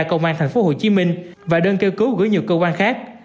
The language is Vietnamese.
công an tp hcm và đơn kêu cứu gửi nhiều cơ quan khác